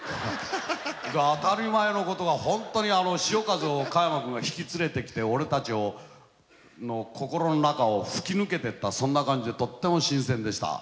当たり前のことが本当に潮風を加山君が引き連れてきて俺たちの心の中を吹き抜けてったそんな感じでとっても新鮮でした。